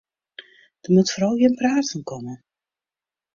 Der moat foaral gjin praat fan komme.